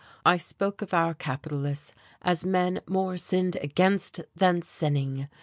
I spoke of our capitalists as men more sinned against than sinning.